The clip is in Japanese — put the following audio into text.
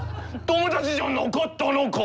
友達じゃなかったのか？